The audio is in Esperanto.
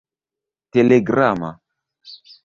telegrama